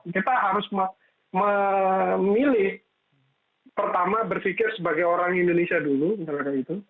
kita harus memilih pertama berpikir sebagai orang indonesia dulu